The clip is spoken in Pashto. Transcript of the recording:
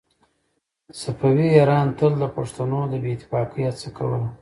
صفوي ایران تل د پښتنو د بې اتفاقۍ هڅه کوله.